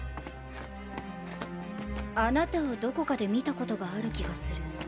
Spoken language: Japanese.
あなたをどこかで見たことがある気がする。